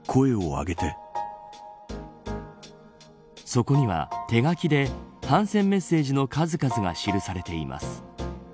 そこには手書きで反戦メッセージの数々が記されています。